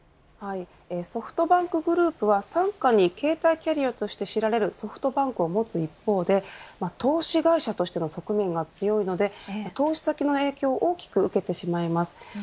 ソフトバンクグループは傘下に携帯キャリアとして知られるソフトバンクを持つ一方で投資会社としての側面が強いので投資先の影響を大きく受けてしまいます。